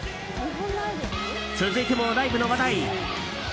続いても、ライブの話題。